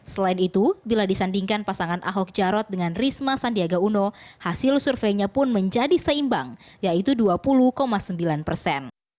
selain itu bila disandingkan pasangan ahok jarot dengan risma sandiaga uno hasil surveinya pun menjadi seimbang yaitu dua puluh sembilan persen